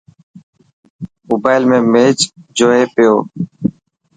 موبائل ۾ ميچ جوئي پيو.